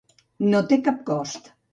No té cap cost.